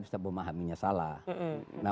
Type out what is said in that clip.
bisa memahaminya salah nah